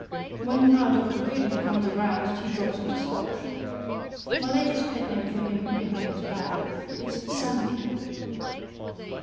When our doctor really becomes aroused, he drops into Scotch. My latest pet name for him (behind his back) is Sandy.